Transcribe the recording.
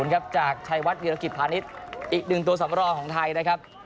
ครับจากชัยวัดวิรกิจพาณิชย์อีกหนึ่งตัวสำรองของไทยนะครับ